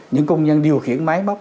những công nhân điều khiển máy bóc